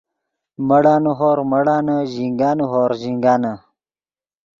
مڑانے ہورغ مڑانے ژینگانے ہورغ ژینگانے